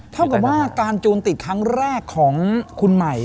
เท่ากับว่าการจูนติดครั้งแรกของคุณใหม่